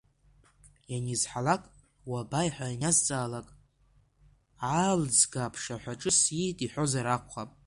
Ианизҳалак уабаи ҳәа ианиазҵаалак, Аалӡга аԥшаҳәаҿы сиит иҳәозар акәхап.